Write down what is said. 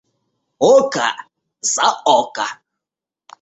Око за око!